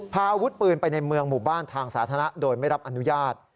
พาอาวุธปืนไปในเมืองหมู่บ้านทางสาธารณะโดยไม่รับอนุญาต